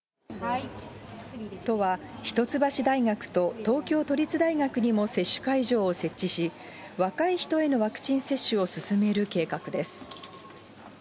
都は、一橋大学と東京都立大学にも接種会場を設置し、若い人へのワクチン接種を進める計画です。